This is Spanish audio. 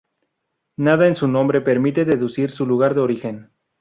Nada en su nombre permite deducir su lugar de origen.